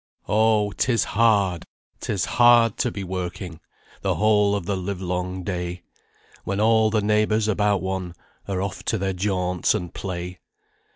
Oh! 'tis hard, 'tis hard to be working The whole of the live long day, When all the neighbours about one Are off to their jaunts and play.